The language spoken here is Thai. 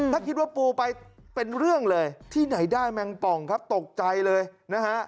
ถ้าคิดว่าปูไปเป็นเรื่องเลยที่ไหนได้แมงป่องครับตกใจเลยนะฮะ